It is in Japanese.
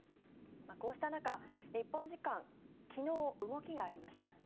こうした中、日本時間昨日動きがありました。